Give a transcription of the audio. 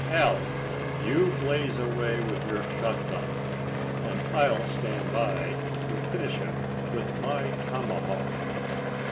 —Hal, you blaze away with your shot gun, and I'll stand by to finish him with my tomahawk."